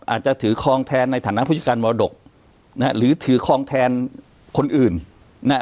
อาจจะถือคลองแทนในฐานะผู้จัดการมรดกนะฮะหรือถือคลองแทนคนอื่นนะฮะ